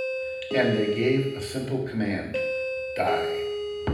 And they gave a simple command: Die.